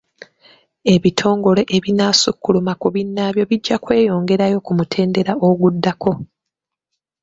Ebitongole ebinaasukkuluma ku binnaabyo bijja kweyongerayo ku mutendera oguddako.